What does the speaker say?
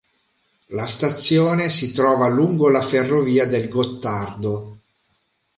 La stazione si trova lungo la ferrovia del Gottardo.